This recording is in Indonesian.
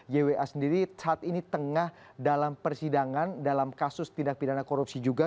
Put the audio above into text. ywa sendiri saat ini tengah dalam persidangan dalam kasus tindak pidana korupsi juga